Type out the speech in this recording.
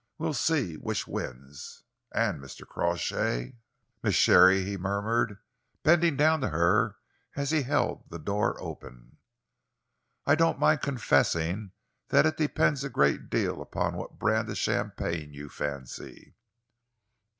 We'll see which wins. And, Mr. Crawshay." "Miss Sharey?" he murmured, bending down to her as he held the door open. "I don't mind confessing that it depends a great deal upon what brand of champagne you fancy."